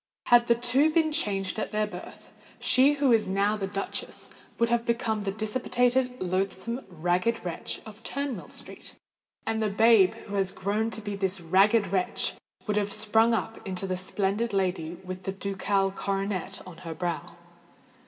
Had the two been changed at their birth, she who is now the duchess would have become the dissipated, loathsome, ragged wretch of Turnmill Street; and the babe who has grown to be this ragged wretch, would have sprung up into the splendid lady with the ducal coronet on her brow.